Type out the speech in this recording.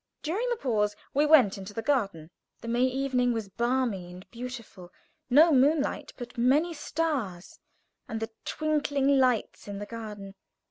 During the pause we went into the garden. The May evening was balmy and beautiful; no moonlight, but many stars and the twinkling lights in the garden.